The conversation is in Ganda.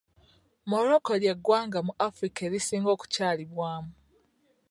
Morocco ly'eggwanga mu Afirika erisinga okukyalibwamu..